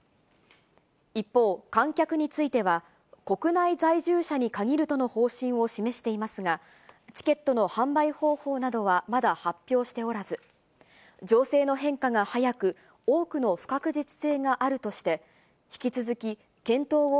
一方、観客については、国内在住者に限るとの方針を示していますが、チケットの販売方法などはまだ発表しておらず、情勢の変化が速く、続いてスポーツコーナーです。